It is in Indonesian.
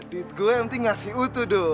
duit gue mending ngasih utuh dut